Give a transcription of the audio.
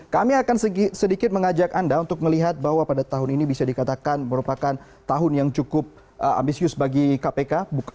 kami akan sedikit mengajak anda untuk melihat bahwa pada tahun ini bisa dikatakan merupakan tahun yang cukup ambisius bagi kpk